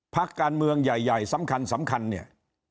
พักการเมืองใหญ่สำคัญเนี่ย